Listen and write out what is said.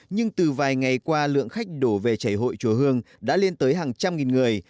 nhưng từ vài ngày qua lượng khách đổ về chảy hội chùa hương đã lên tới hàng trăm nghìn người